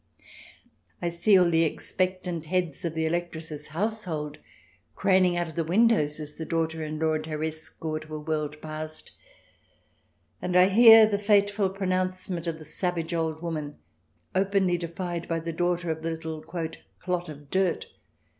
I see all the expectant heads of the Electress's household craning out of the windows as the daughter in law and her escort were whirled past, and I hear the fateful pronounce ment of the savage old woman, openly defied by the daughter of the little " clot of dirt."